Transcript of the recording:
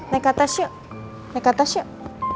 naik ke atas yuk